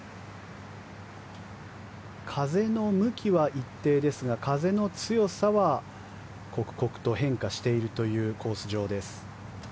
風の向きは一定ですが風の強さは刻々と変化しているというコース上です。